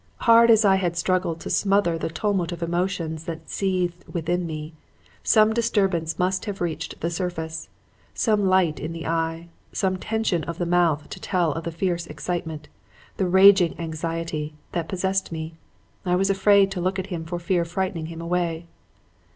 Hard as I had struggled to smother the tumult of emotions that seethed within me, some disturbance must have reached the surface, some light in the eye, some tension of the mouth to tell of the fierce excitement, the raging anxiety, that possessed me. I was afraid to look at him for fear of frightening him away.